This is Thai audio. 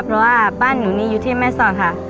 เพราะว่าบ้านหนูนี่อยู่ที่แม่สอดค่ะ